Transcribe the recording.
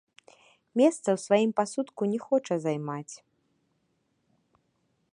Месца ў сваім пасудку не хоча займаць.